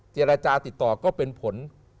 เจรจาติดต่อก็เป็นผล